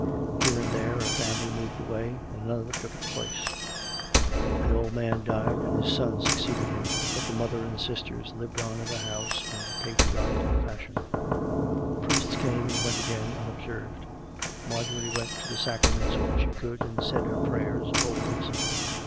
Here and there a family moved away, and another into its place; an old man died and his son succeeded him, but the mother and sisters lived on in the house in patriarchal fashion. Priests came and went again unobserved; Marjorie went to the sacraments when she could, and said her prayers always.